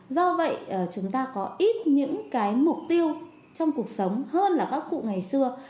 do vậy chúng ta có ít những cái mục tiêu trong cuộc sống hơn là các cụ ngày xưa